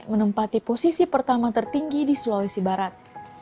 menempati posisi pertama tertinggi di sulawesi barat